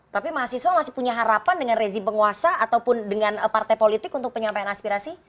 tapi mahasiswa masih punya harapan dengan rezim penguasa ataupun dengan partai politik untuk penyampaian aspirasi